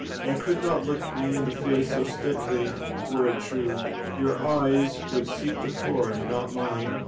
"You could not look me in the face so steadily were it true. Your eyes would seek the floor, not mine."